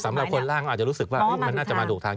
สำหรับคนล่างก็อาจจะรู้สึกว่ามันน่าจะมาถูกทาง